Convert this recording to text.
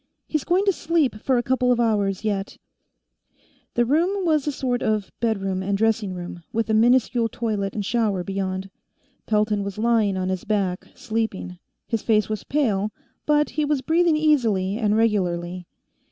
"He's going to sleep for a couple of hours, yet." The room was a sort of bedroom and dressing room, with a miniscule toilet and shower beyond. Pelton was lying on his back, sleeping; his face was pale, but he was breathing easily and regularly.